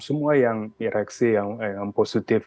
semua reaksi yang positif